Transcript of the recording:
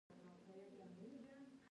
زړه د ژوند خوږه موسکا ده.